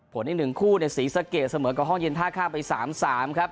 อีก๑คู่เนี่ยศรีสะเกดเสมอกับห้องเย็นท่าข้ามไป๓๓ครับ